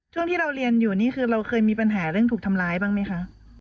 ช่วงที่เราเรียนอยู่นี่คือเราเคยมีปัญหาเรื่องถูกทำร้ายบ้างไหมคะ